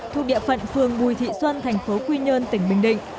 thuộc địa phận phường bùi thị xuân thành phố quy nhơn tỉnh bình định